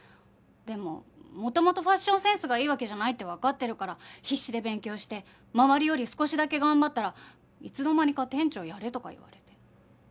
でも元々ファッションセンスがいいわけじゃないってわかってるから必死で勉強して周りより少しだけ頑張ったらいつの間にか「店長やれ」とか言われて。